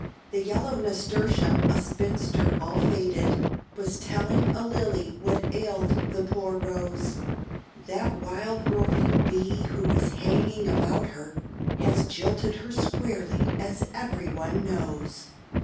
The yellow Nasturtium, a spinster all faded, Was telling a Lily what ailed the poor Rose: "That wild roving Bee who was hanging about her, Has jilted her squarely, as every one knows.